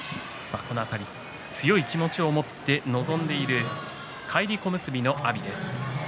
強い気持ちを持って臨んでいる返り小結の阿炎です。